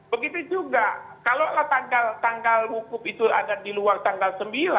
begitu juga kalau tanggal hukum itu ada di luar tanggal sembilan